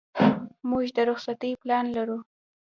موږ د رخصتۍ پلان لرو.